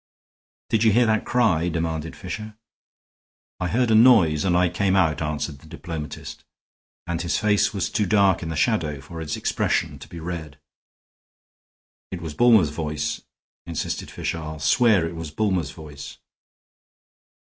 "Did you hear that cry?" demanded Fisher. "I heard a noise and I came out," answered the diplomatist, and his face was too dark in the shadow for its expression to be read. "It was Bulmer's voice," insisted Fisher. "I'll swear it was Bulmer's voice."